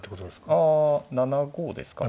あっ７五ですか。